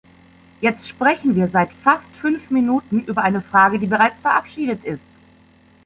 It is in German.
Jetzt sprechen wir seit fast fünf Minuten über eine Frage, die bereits verabschiedet ist.